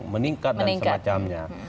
meningkat dan semacamnya